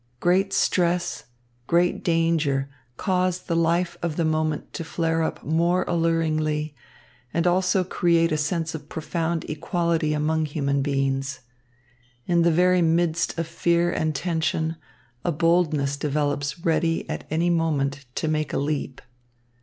Great stress, great danger cause the life of the moment to flare up more alluringly and also create a sense of profound equality among human beings. In the very midst of fear and tension, a boldness develops ready at any moment to make a leap.